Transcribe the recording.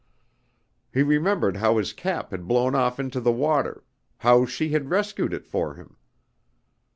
He remembered how his cap had blown off into the water, how she had rescued it for him.